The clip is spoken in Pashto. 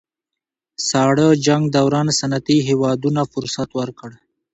ساړه جنګ دوران صنعتي هېوادونو فرصت ورکړ